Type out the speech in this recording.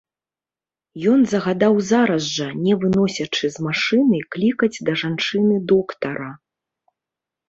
Ён загадаў зараз жа, не выносячы з машыны, клікаць да жанчыны доктара.